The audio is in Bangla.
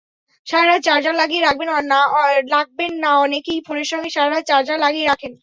সারা রাত চার্জার লাগিয়ে রাখবেন নাঅনেকেই ফোনের সঙ্গে সারা রাত চার্জার লাগিয়ে রাখেন।